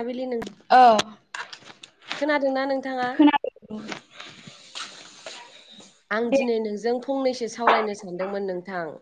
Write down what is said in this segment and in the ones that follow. मोनाबिलि नों औ खोनादोंना नोंथांङा खोनादों आं दे दिनै नोंजों फंनैसो सावरायनो सानदोंमोन नोंथां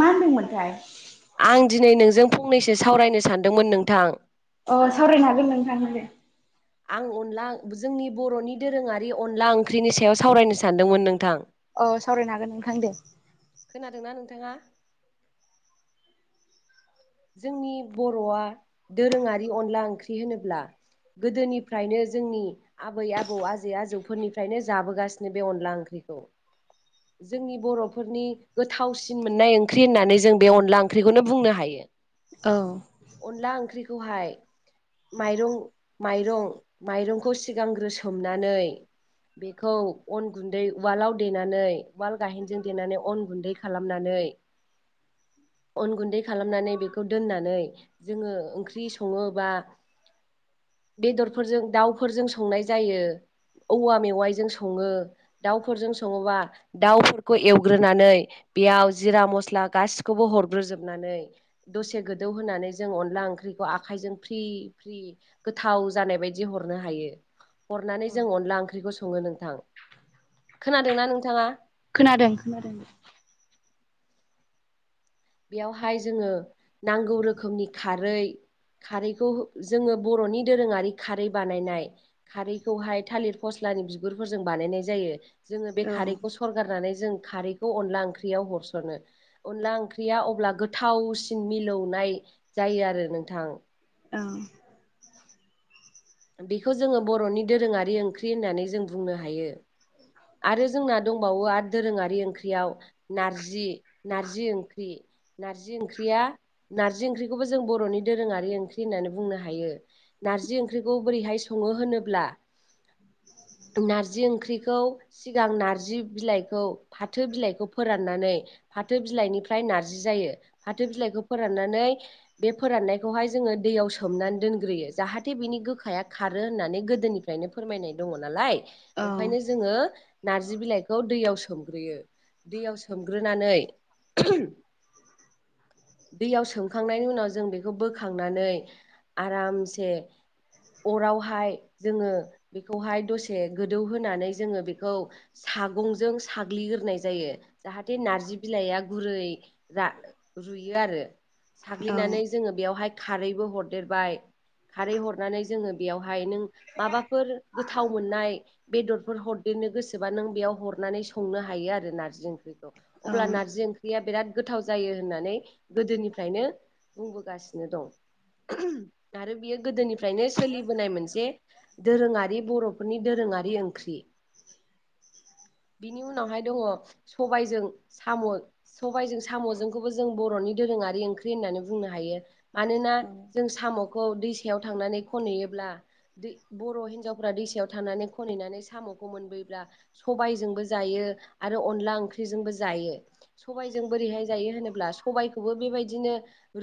मा होनदोंमोनथाय आं दिनै नोंजों फंनैसो सावरायनो सानदोंमोन नोंथां अ सावरायनो हागोनमोन नोंथां [unintelligible] आं अनला जोंनि बर'नि दोरोङारि अनला ओंख्रिनि सायाव सावरायनो सानदोंमोन नोंथां औ सावरायनो हागोन नोंथां दे खोनादोंना नोंथांङा जोंनि बर'आ दोरोंङारि अनला ओंख्रि होनोब्ला गोदोनिफ्रायनो जोंनि आबै आबौ आजौ आजौ आजैफोरनिफ्रायनो जाबोगासिनो बे अनला ओंख्रिखौ जोंनि बर'फोरनि गोथावसिन मोननाय ओंख्रि होननानै जों बे अनला ओंख्रिखौनो बुंनो हायो औ अनला ओंख्रिखौहाय माइरं माइरं माइरंखौ सिगांग्रोसोमनानै बेखौ अन गुन्दै उवालाव देनानै वाल गायेनजों देनानै अन गुन्दै खालामनानै अन गुन्दै खालामनानै बेखौ दोननानै जोंङो ओंख्रि संङो बा बेदरफोरजों दाउफोरजों संनाय जायो औवा मेवाइजों संङो दाउफोरजों संङोबा दाउफोरखौ एवग्रोनानै बेयाव जिरा मस्ला गासिखौबो हरग्रोजोबनानै दसे गोदौ होनानै जों अनला ओंख्रिखौ आखायजों फ्रि फ्रि गोथाव जानाय बायदि ह हरनो हायो अरनानै जों अनला ओंख्रिखौ संङो नोंथां खोनादोंना नोंथांङा खोनादों खोनादों बेयावहाय जोंङो नांगौ रोखोमनि खारै खारैखौ जोंङो बर'नि दोरोङारि खारै बानायनाय खारैखौहाय थालिर फस्ला नि बिगुरफोरजों बानायनाय जायो। जोंङो बे औ खारैखौ सरगारनानै जों खारैखौ अनला ओंख्रियाव हरसनो अनला ओंख्रि गैया अब्ला गोथावसिन मिलौनाय जायो आरो नोंथां औ बेखौ जोंङो बर'नि दोरोङारि ओंख्रि होननानै जों बुंनो हायो। दोरोंङारि ओंख्रियाव नारजि नारजि ओंख्रि नारजि ओंख्रिया नारजि ओंख्रिखौबो जों बर'नि दोरोंङारि ओंख्रि होननानै बुंनो हायो नारजि ओंख्रिखौ बोरैहाय संङो होनोब्ला नारजि ओंख्रिखौ सिगां नार्जि बिलाइखौ फाथो बिलाइखौ फोराननानै फाथो बिलाइनिफ्राय नार्जि जायो। फाथो बिलाइखौ फोराननानै बे फोराननायखौहाय जोंङो दैयाव सोमनानै दोनग्रोयो जा जाहाथे बिनि गोखाया खारो होननानै गोदोनिफ्रायनो फोरमायनाय दंङो नालाय औ ओंखायनो जोंङो नार्जि बिलाइखौ दैयाव सोमग्रोयो दैयाव सोमग्रोनानै [unintelligible] दैयाव सोमखांनायनि उनाव जों बेखौ बोखांनानै आरामसे अरावहाय जोङो बेखौहाय दसे गोदौ होनानै जोङो बे सागंजों साग्लिग्राय जायो जाहाथे नारजि बिलाइआ गुरै रुयो आरो साग्लिनानै जोङो बेवहाय खारैबो हरदेरबाय खारै हरनानै जोङो बेयावहाय नों माबाफोर गोथाव मोननाय बेदरफोर हर बेनो गोसोबा नों बेयाव हरनानै संनो हायो आरो नारजि ओंख्रिखौ अब्ला नारजि ओंख्रिया बिराद गोथाव जायो होननानै गोदोनिफ्रायनो बुंबोगासिनो दं आरो बियो गोदोनि फ्रायनो सोलिबोनाय मोनसे दोरोङारि बर'फोरनि दोरोङारि ओंख्रि [unintelligible] बिनि उनावहाय दङ सबायजों साम' सबायजों साम'जोंखौबो जों बर' 'बरफोरनि दोरोङारि ओंख्रि होननानै बुंनो हायो मानोना जों साम' दैसायाव थांनानै खनहैयोब्ला दै बर' हिन्जावफोरा दैसायाव थांनानै खनहैनानै साम' सबाइजोंबो जायो आरो अनला ओंखिरि जोंबो जायो सबाइ ओरैहाय जायो होनोब्ला सबायखौबो बेबायदिनो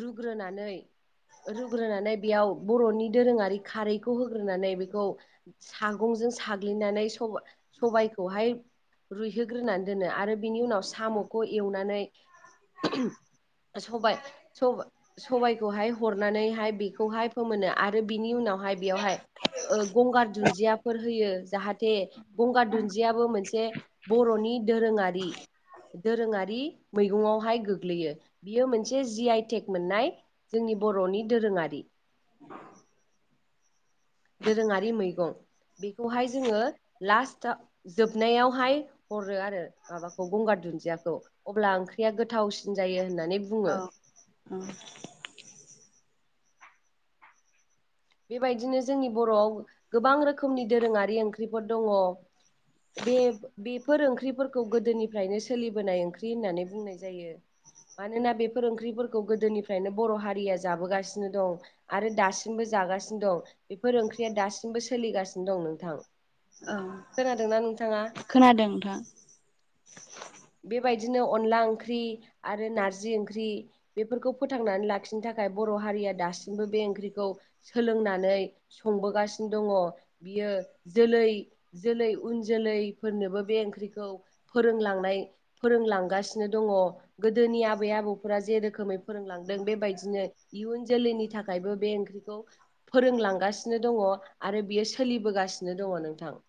रुग्रोनानै रुग्रोनानै बेयाव बर'नि दोरोङारि खारैखौ होग्रोनानै बेखौ सागं जों साग्लिनानै स सबायखौहाय रुइहोग्रोनानै दोनो आरो बिनि उनाव साम'खौ एवनानै स सबायाइखौहाय हरनानैहाय बेखौहाय फोमोनो आरो बिनि उनाव बेयावहाय गंगार दुनदियाफोर होयो जाहाथे थे गंगा दुन्दियाबो मोनसे बर'नि दोरोङारि दोरोङारि मैगंडावहाय गोग्लैयो बियो मोनसे जि आइटेक मोननाय जोंनि बर'नि दोरोङारि दोरोङारि मैगं बेखौहाय जोङो लास्ट जोबनायावहाय हरो आरो माबाखौ गंगार दुन्दियाखौ अब्ला ओंख्रिया गोथावसिन जायो होननानै बुङो औ बेबायदिनो जोंनि बर'आव गोबां रोखोमनि दोरोङारि ओंख्रिफोर दङ बे बेफोर ओंख्रिफोरखौ गोदोनिफ्रायनो सोलिबोनाय ओंख्रि होननानै बुंनाय जायो मानोना बेफोर ओंख्रिफोरखौ गोदोनिफ्रायनो बर' हारिया जाबोगासिनो दं आरो दासिमबो जागासिनो दं बेफोर ओंख्रिया दासिमबो सोलिगासिनो दं नोंथां औ खोनादोंना नों खोनादों नोंथां बेबायदिनो अनला ओंख्रि आरो नारजि ओंख्रि बेफोरखौ फोथांनानै लाखिनो थाखाय थाखाय बर' हारिया दासिमबो बे ओंख्रिखौ सोलोंनानै संबोगासिनो दङ बियो जोलै जोलै उन जोलैफोरनोबो बे ओंख्रिखौ फोरोंलांनाय फोरोंलांगासिनो दङ गोदोनि आबै आबौफोरा जेेरोखोमै फोरोंलांदों बेबायदिनो इयुन जोलैनि थाखायबो बे ओंख्रिखौ फोरोंलांगासिनो दङ आरो बियो सोलिबोगासिनो दङ नोंथां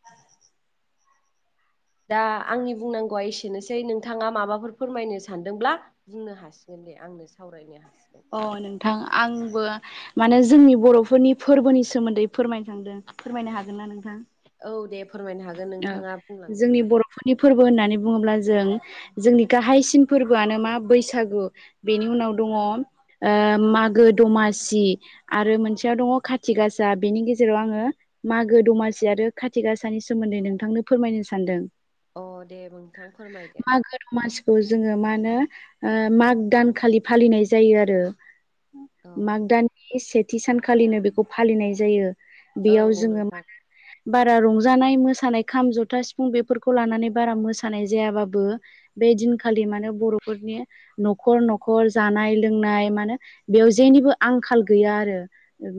दा आंनि बुंनांगौआ एसेनोसै नोंथाङा माबाफोर फोरमायनो सानदोंब्ला बुंनो हासिगोन आंनो सावरायनो हादों अ नोंथां आंबो माने जोंनि बर'फोरनि फोरबोनि सोमोन्दै फोरमायनो थांदों फोरमायनो हागोन ना नोंथां औ दे फोरमायनो हागोन नोंथाङा बुंलांदो नि फोरबो होननानै बुङोब्ला जों जोंनि गाहायसिन फोरबोआनो मा बैसागु बेनि उनाव लग मागु दामासि आरो मोनसे दङ खाथि गासा बिनि गेजेराव आङो मागो दमासि आरो खाथि गासानि सोमोन्दै नोंथांनो फोरमायनो सानदों अ दे नोंथां फोरमायदो मागो दमासिखौ जोङो मा होनो माग दानखालि फालिनाय जायो आरो अ माग दाननि सेथि सानखालिनो बेखौ फालिनाय जायो। बेयाव औ जोङो नोंथां बारा रं जानाय मोसानाय खाम जथा सिफुं बेफोरखौ लानानै बारा मोसानाय जायाबाबो बे दिनखालि बर'फोरनि न'खर न'खर जानाय लोंनाय मानो बेयाव जेनिबो आंखाल गैया आरो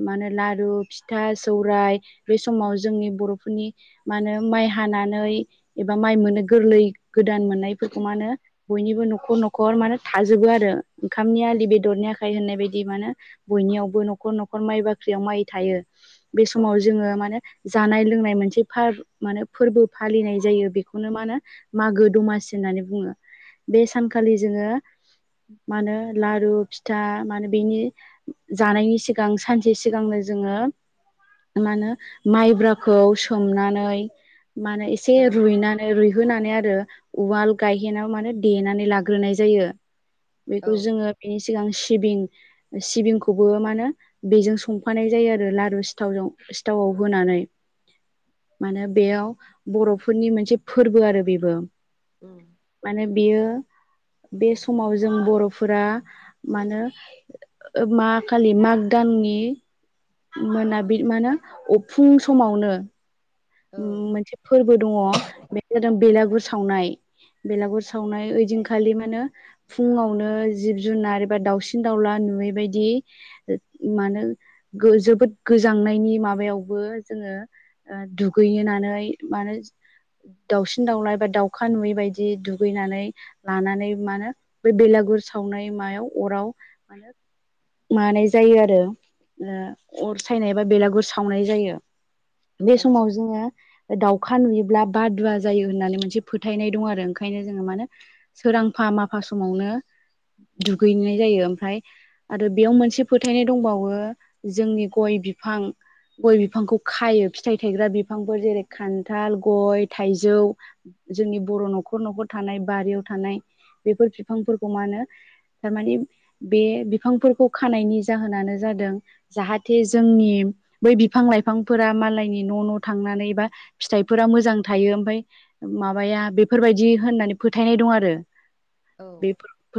मानो लारु फिथा सौराइ बे समाव जोंनि बर'फोरनि मा होनो माइ हानानै एबा माइ मोनो गोरलै गोदान मोननायफोरखौ मा होनो बयनिबो न'खर न'खर मान थाजोबो आरो ओंखामनि आलि बेदरनि आखाइ होननाय बायदि माने बयनियावबो न'खर न'खर माइ बाख्रिआव माइ थायो। बे समाव जोङो मा होनो जानाय लोंनाय मोनसे बार माने फोरबो फालिनाय जायो बेखौनो मा होनो मागो दमासि होननानै बुङो। बे सानखालि जोङो मा होनो लारु फिथा मानो बेनि जानायनि सिगां सानसे सिगांनो जोङो मा होनो हाग्राखौ सो मनानै माने एसे औ रुइनानै रुइ होनानै आरो उवाल गायहेनाव माने देनानै लाग्रोनाय जायो। औ बेखौ जोङो बेनि सिगां सिबिं सिबिंखौबो मा होनो बेजों संफानाय जायो आरो लारु सिथावजों सिथावाव होनानै। [inaudible] माने बेयाव बर'फोरनि मोनसे फोरबो आरो बेबो। उम माने बियो [inaudible] बे समाव जों बर'फोरा मानो मा खालि माग दान नि मोनाबिलि मा होनो फुं समावनो औ मोनसे फोरबो दङ बे जादों बेलागुर सावनाय बेलागुर सावनाय ओइदिनखालि माने फुङावनो जिब जुनार एबा दाउसिन दाउला नुयैबायदि मानो जोबोद गोजांनायनि माबायावबो जोङो दुगैनानै मानो दाउसिन दाउला बा दाउखा नुयै बायदि दुगैनानै लानानै मानो बे बेलेगु गुर सावनाय मायाव अराव मानाय जायो आरो अर सायनाय बा बेलागुर सावनाय जायो। बे सम औ जों दाउखा नुयोब्ला बादुवा जायो होननानै मोनसे फोथायनाय दं आरो ओंखायनो जोङो मानो सो रांफा माफा समावनो दुगैनाय जायो ओमफ्राय आरो बेयाव मोनसे फोथायनाय दंबावो जोंनि गय बिफां गय बिफांखौ खायो फिथाइ थायग्रा बि फांफोर जेरै खान्थाल गय थाइजौ जोंनि बर' न'खर न'खर थानाय बारियाव थानाय बेफोर बिफांफोरखौ मा होनो थारमानि बे बिफांफोरखौ खानायनि जाहोनानो जादों जाहाथे जोंनि बै बिफां लाइफांफोरा मालायनि न' न' थांनानै बा फिथाइफोरा मोजां थायो ओमफ्राय माबाया बेफोरबायदि होननानै फोथायनाय दं। द आरो औ बे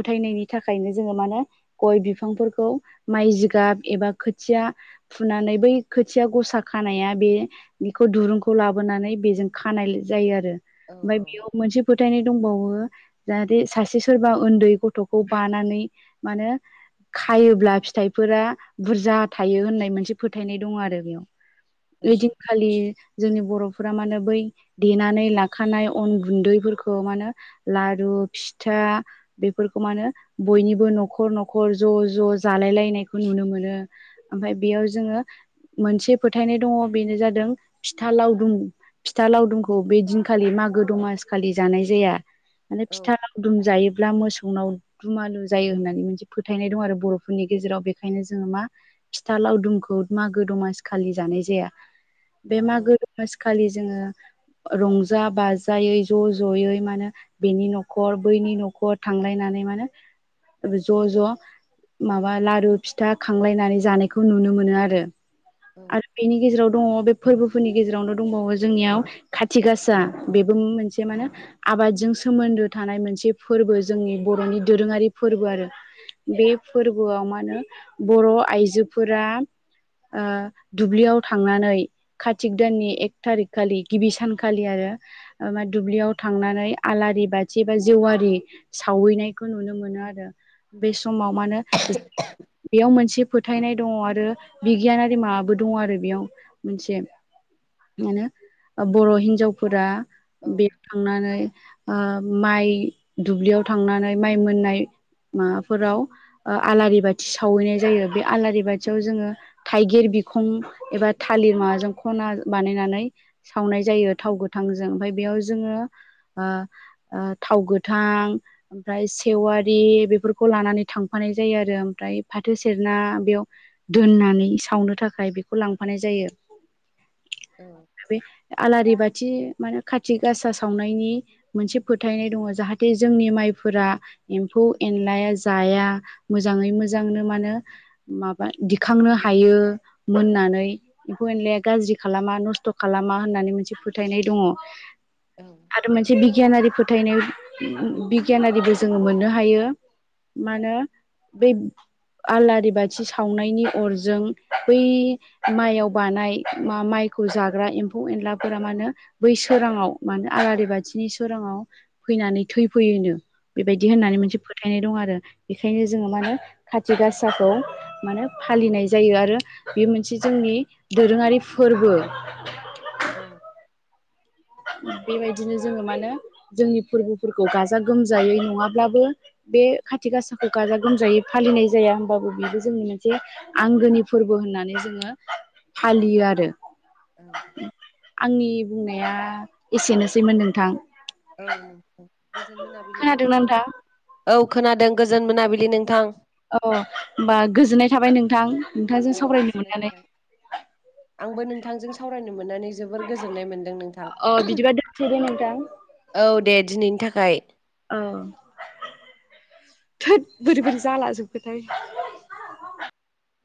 फोथायनायनि थाखायनो जोङो मा होन गय बिफांफोरखौ माइ जिगाब एबा खोथिया फुनानै बै खोथिया गसा खानाया बे बेखौ दुरुंखौ लाबोनानै बेजों खानाय जायो आरो औ ओमफ्राय बेयाव मोनसे फोथायनाय दंबावो जाहाथे सासे सोरबा उन्दै गथ'खौ बानानै मानो खायोब्ला फिथाइफोरा बुरजा थायो होननाय मोनसे फोथायनाय दङ आरो बेयाव औ ओइदिनखालि जोंनि बर'फोरा मा नो देनानै लाखानाय अन गुन्दैफोरखौ मानो आरो फिथा बेफोरखौ मा नो बयनिबो न'खर न'खर ज' ज' जालाय नायखौ नुनो मोनो ओमफ्राय बेयाव जोङो मोनसे फोथायनाय दङ बेनो जादों दों फिथा लावदुम फिथा लावदुमखौ बे दिनखालि मागो दमास खालि जानाय जाया माने औ फिथा लावदुम जायोब्ला मोसौ नाव दुमालु जायो होननानै मोनसे फोथायनाय दं आरो बर'फोरनि गेजेराव बेखायनो जोङो मा फिथा लावदुमखौ मागो दमासिखालि जानाय जाया बे औ मागो दमसिखालि जोङो रंजा बाजायै ज' ज'यै मान बेनि न'खर बैनि न'खर थांलायनानै नै माने ज' ज' माबा लारु फिथा खांलायनानै जानायखौ नुनो मोनो आरो आरो बेनि गेजेराव दङ बे फोरबोफोरनि गेजेरावनो दंबावो जोंनियाव खाथि गासा बेबो मोनसे मा होने आबादजों सोमोन्दो थानाय मोनसे फोरबो जोंनि बर'नि दोरोङारि फोरबो आरो बे फोरबोआव मा होनो बर' आइजोफोरा ओ दुब्लियाव थांनानै कतिक दाननि एक थारिक खालि गिबि सानखालि आरो मा दुब्लियाव थांनानै आला रि बाथि बा जेवारि सावैनायखौ नुनो मोनो आरो बे समाव मानो बेयाव मोनसे से फोथायनाय दङ आरो बिगियानारि माबाबो दङ आरो बेयाव मोनसे मानो बर' हिनजावफोरा औ बेयाव थांनानै ओ माइ दुब्लियाव थांनानै माइ मोननाय माबाफोराव ओ आलारि बाथि सावहैनाय जायो बे आलारि बाथियाव जोङो थाइगिर बिखं एबा थालिर माबाजों खना बानायनानै सावनाय जायो थाव गोथांजों ओमफ्राय बेयाव जोङो आ ओ थाव गोथां ओमफ्राय सेवारि बेफोरखौ लानानै थांफानाय जायो आरो ओमफ्राय फ्राय फाथो सेरना बेयाव दोननानै सावनो थाखाय बेखौ लांफानाय जायो। बे आलारि बाथि माने खाथि गासा सावनायनि मोनसे फोथायनाय दङ जाहाथे जोंनि माइ फोरा एमफौ एनलाया जाया मोजाङै मोजांनो मानो माबा दिखांनो हायो मोननानै एमफौ एनलाया गाज्रि खालामा नसथ' खालामा होननानै मोनसे फोथायनाय दङ आरो मोनसे बिगि गियानारि फोथायनायाव बिगियानारिबो जोङो मोननो हायो। मानो बै आलारि बाथि सावनायनि अरजों बै माइयाव बानाय मा माइखौ जाग्रा एम्फौ एनलाफोरा मानो बै सोराङाव मानो आलारि बाथिनि सोराङाव फैनानै थैफैयोनो बेबायदि औ होननानै मोनसे फोथायनाय दं आरो बेखायनो जोङो माने खाति गासाखौ माने फालिनाय जायो आरो बे मोनसे जोंनि नि दोरोङारि फोरबो औ बेबायदिनो जोङो मानो जोंनि फोरबोफोरखौ गाजा गोमजायै नङाब्लाबो बे खाथि गासाखौ गाजा गोमजायै फालिनाय जाया होमबाबो बेबो जोंनि मोनसे आंगोनि फोरबो होन नानै जोङो फालियो आरो औ आंनि बुंनाया एसेनोसैमोन नोंथां। औ गोजोन मोनाबिलि नोंथां औ खोनादों गोजोन मोनाबिलि नोंथां। अ होमबा गोजोननाय थाबाय नोंथां नोंथांजों औ सावरायनो गोजोननाय मोननानै थाबाय आंबो नोंथांजों सावरायनो मोननानै जोबोर गोजोननाय मोनदों नोंथां अ बिदिबा दोनसै दे नोंथां औ दे दिनैनि थाखाय औ थोद बोरै बोरै जाला जोबखोथाय